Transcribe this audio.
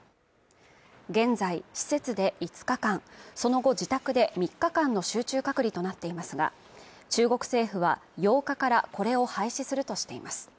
現在施設で５日間その後自宅で３日間の集中隔離となっていますが中国政府は８日からこれを廃止するとしています